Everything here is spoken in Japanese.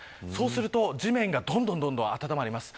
そうすると地面がどんどん温まります。